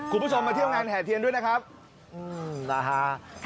คุณผู้ชมมาเที่ยวงานแห่เทียนด้วยนะครับนะฮะ